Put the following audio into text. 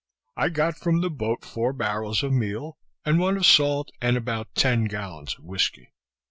I got from the boat four barrels of meal, and one of salt, and about ten gallons of whiskey.